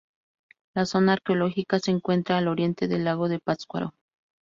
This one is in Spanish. La zona arqueológica se encuentra al oriente del Lago de Pátzcuaro.